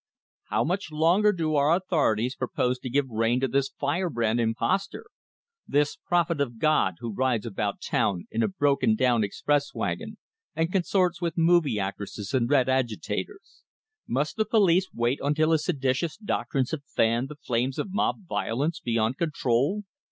"How much longer do our authorities propose to give rein to this fire brand imposter? This prophet of God who rides about town in a broken down express wagon, and consorts with movie actresses and red agitators! Must the police wait until his seditious doctrines have fanned the flames of mob violence beyond control?